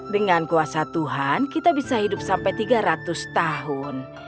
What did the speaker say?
dengan kuasa tuhan kita bisa hidup sampai tiga ratus tahun